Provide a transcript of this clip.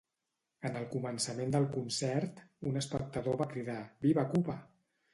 En el començament del concert, un espectador va cridar ‘viva Cuba!’.